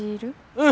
うん。